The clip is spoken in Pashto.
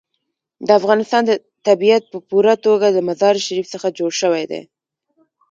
د افغانستان طبیعت په پوره توګه له مزارشریف څخه جوړ شوی دی.